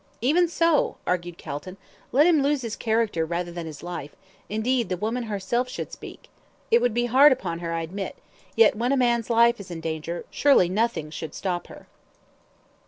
"Even so," argued Calton, "let him lose his character rather than his life; indeed the woman herself should speak. It would be hard upon her I admit; yet when a man's life is in danger, surely nothing should stop her."